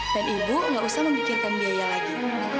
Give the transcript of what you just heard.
dan ibu enggak usah memikirkan biaya lagi